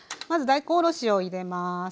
まず大根おろしを入れます。